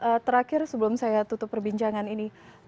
oke terakhir sebelum saya tutup perbincangan ini